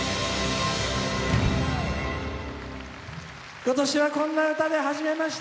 今年は、こんな歌で始めました！